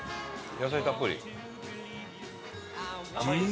野菜たっぷり。